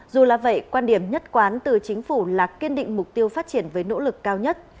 dù là vậy quan điểm nhất quán từ chính phủ là kiên định mục tiêu phát triển với nỗ lực cao nhất